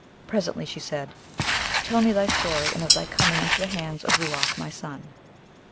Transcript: Presently she said, 'Tell me thy story, and of thy coming into the hands of Ruark my son.'